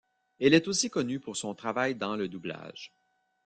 Il est aussi connu pour son travail dans le doublage.